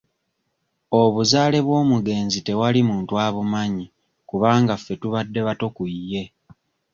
Obuzaale bw'omugenzi tewali muntu abumanyi kubanga ffe tubadde bato ku ye.